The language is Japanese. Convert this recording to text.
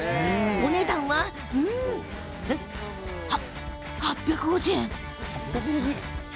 お値段は８５０円。